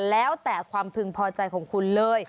แล้วแต่ความพึงพอใจของคุณเลย